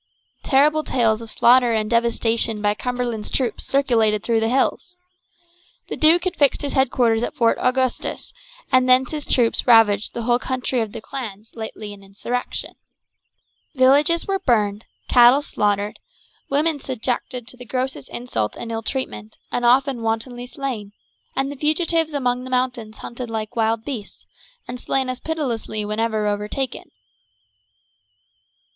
Terrible tales of slaughter and devastation by Cumberland's troops circulated through the hills. The duke had fixed his headquarters at Fort Augustus, and thence his troops ravaged the whole country of the clans lately in insurrection. Villages were burned, cattle slaughtered, women subjected to the grossest insult and ill treatment, and often wantonly slain, and the fugitives among the mountains hunted like wild beasts, and slain as pitilessly whenever overtaken.